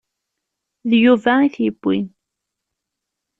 D Yuba i t-yewwin.